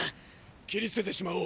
切り捨ててしまおう！